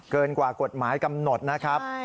เกินกว่ากฎหมายกำหนดนะครับ